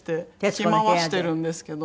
着回してるんですけど。